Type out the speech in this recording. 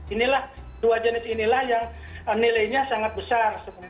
inilah dua jenis inilah yang nilainya sangat besar